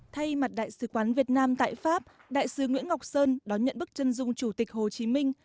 thay mặt đại sứ quán việt nam tại pháp đại sứ nguyễn ngọc sơn đón nhận bức chân dung chủ tịch hồ chí minh